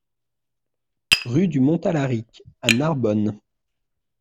Rue du Mont Alaric à Narbonne